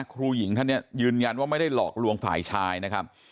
ครูหญิงท่านเนี่ยยืนยันว่าไม่ได้หลอกลวงฝ่ายชายนะครับ